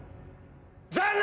残念！